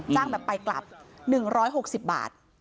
จ้างแบบไปกลับหนึ่งร้อยหกสิบบาท